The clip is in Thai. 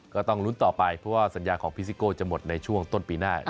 ก็ต้องลุ้นต่อไปเพราะว่าสัญญาของพี่ซิโก้จะหมดในช่วงต้นปีหน้า